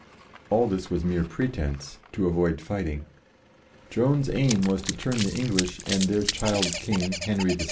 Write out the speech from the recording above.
All this was mere pretence, to avoid fighting. Joan's aim was to turn the English and their child King, Henry VI.